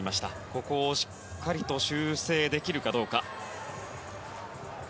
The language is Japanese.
ここをしっかりと修正できるかどうか。